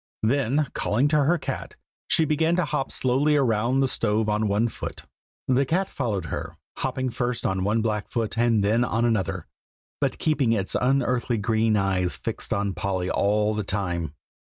Then, calling to her cat, she began to hop slowly round the stove on one foot. The cat followed her, hopping first on one black foot and then on another, but keeping its unearthly green eyes fixed on Polly all the time.